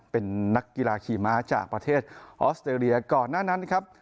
เป็นนักกีฬาขี่ม้าจากประเทศออสเตรเลียก่อนหน้านั้นนะครับ